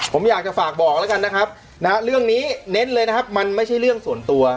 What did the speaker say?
ผมอยากจะฝากบอกแล้วกันนะครับนะฮะเรื่องนี้เน้นเลยนะครับมันไม่ใช่เรื่องส่วนตัว